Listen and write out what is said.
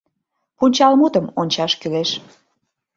Пунчалмутым ончаш кӱлеш.